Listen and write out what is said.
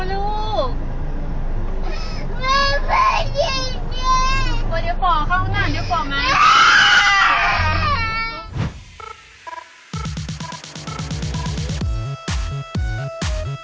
นี่นี่นี่